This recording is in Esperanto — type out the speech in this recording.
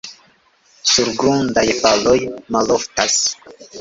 Surgrundaj faloj maloftas.